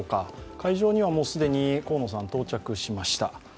会場には既に河野さん到着しました。